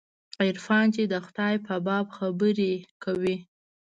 خو عرفان چې د خداى په باب خبرې کوي.